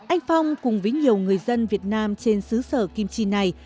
anh phong cùng với nhiều người dân việt nam trên xứ sở kim chi này